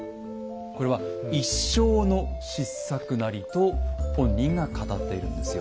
「これは一生の失策なり」と本人が語っているんですよ。